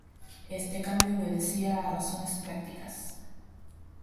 Este cambio obedecía a razones prácticas.